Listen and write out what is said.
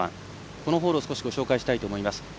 このホールをご紹介したいと思います。